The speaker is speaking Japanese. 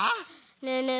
ねえねえ